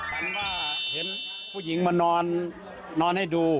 ฝันว่าเห็นผู้หญิงมานอนให้ดู